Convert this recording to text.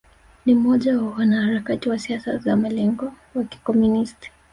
Ni mmoja wa wanaharakati wa siasa za mlengo wa Kikomunisti